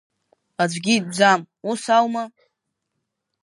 Аӡәгьы итәӡам, ус аума?